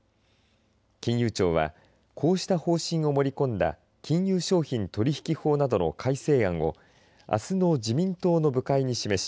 金融庁はこうした方針を盛り込んだ金融商品取引法などの改正案をあすの自民党の部会に示し